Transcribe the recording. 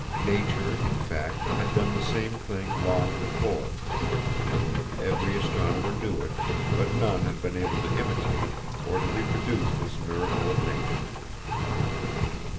Nature, in fact, had done the same thing long before. Every astronomer knew it, but none had been able to imitate or to reproduce this miracle of nature.